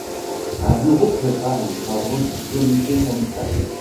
Un Bureau prépare les travaux du comité syndical.